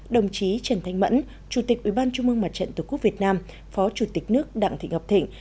đồng chí trần thanh mẫn chủ tịch ủy ban trung mương mặt trận tổ quốc việt nam phó chủ tịch nước đặng thị ngọc thịnh